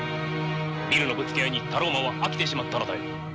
ビルのぶつけ合いにタローマンは飽きてしまったのだよ。